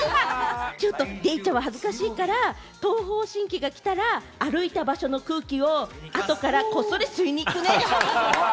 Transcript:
ちょっとデイちゃんは恥ずかしいから、東方神起が来たら、歩いた場所の空気を後ろからこっ怖いって。